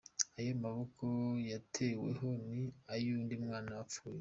Ayo maboko yateweho ni ay’undi mwana wapfuye.